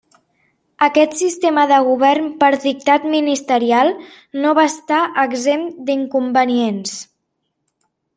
Aquest sistema de govern per dictat ministerial no va estar exempt d'inconvenients.